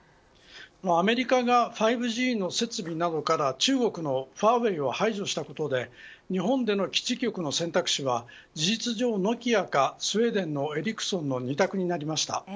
アメリカが５Ｇの設備などから中国のファーウェイを排除したことで日本での基地局の選択肢は事実上、ノキアかスウェーデンのエリクソンの２択になりました。